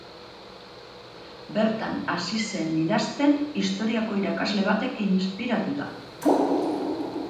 Bertan hasi zen idazten historiako irakasle batek inspiratuta.